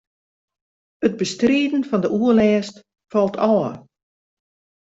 It bestriden fan de oerlêst falt ôf.